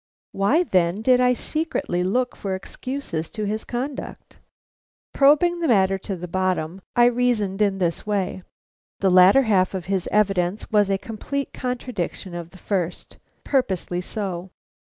Why, then, did I secretly look for excuses to his conduct? Probing the matter to the bottom, I reasoned in this way: The latter half of his evidence was a complete contradiction of the first, purposely so.